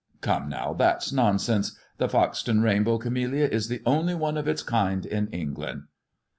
" Come now, that's nonsense. The Foxton rainbow camellia is the only one of its kind in England."